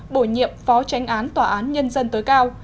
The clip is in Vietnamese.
bổ nhiệm phó tránh án tòa án nhân dân tối cao